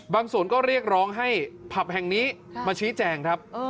บางส่วนก็เรียกร้องให้ผัปแห่งนี้มาชี้แจ่งครับ